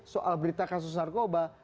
soal berita kasus narkoba